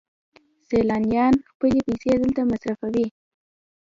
سیلانیان خپلې پیسې دلته مصرفوي.